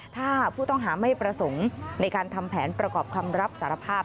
ถ้าผู้ต้องหาไม่ประสงค์ในการทำแผนประกอบคำรับสารภาพ